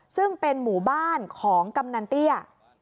ซึ่งเป็นหมู่บ้านของกำนันเตี้ย